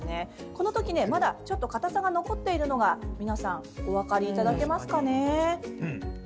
この時ね、まだちょっとかたさが残っているのが皆さんお分かりいただけますかね。